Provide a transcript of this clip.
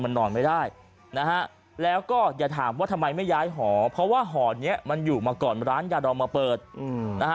นอนไม่ได้นะฮะแล้วก็อย่าถามว่าทำไมไม่ย้ายหอเพราะว่าหอเนี้ยมันอยู่มาก่อนร้านยาดองมาเปิดนะฮะ